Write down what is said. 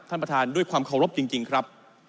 ท่านประธานด้วยความเคารพจริงครับ